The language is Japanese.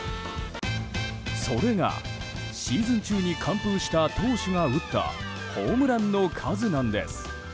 それが、シーズン中に完封した投手が打ったホームランの数なんです。